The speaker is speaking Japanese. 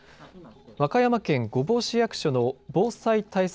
和歌山県御坊市役所の防災対策